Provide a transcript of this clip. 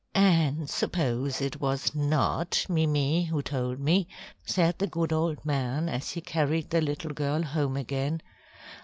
"And suppose it was not Mimi who told me?" said the good old man as he carried the little girl home again.